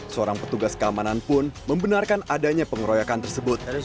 seorang petugas keamanan pun membenarkan adanya pengeroyokan tersebut